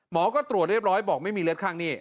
หมอก็ตรวจเรียบร้อยบอกไม่มีเลือดข้างนี่